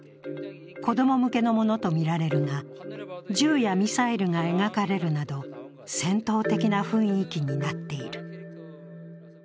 子供向けのものとみられるが、銃やミサイルが描かれるなど戦闘的な雰囲気になっている。